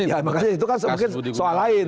ya makanya itu kan mungkin soal lain